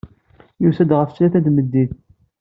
Yusa-d ɣef ttlata n tmeddit.